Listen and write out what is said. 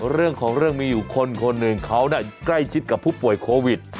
เรื่องของเรื่องมีอยู่คนหนึ่งเขาใกล้ชิดกับผู้ป่วยโควิด